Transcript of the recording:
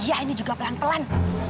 iya ini juga pelan pelan